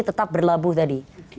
tetap berlabuh tadi